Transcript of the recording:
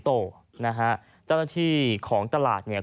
พร้อมกับหยิบมือถือขึ้นไปแอบถ่ายเลย